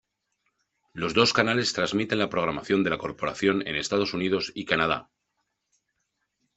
Los dos canales transmiten la programación de la corporación en Estados Unidos y Canadá.